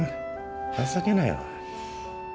情けないわ。